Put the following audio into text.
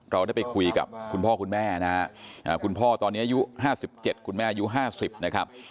เราได้ไปคุยกับคุณพ่อคุณแม่นะครับคุณพ่อตอนนี้อายุ๕๗คุณแม่อายุ๕๐นะครับ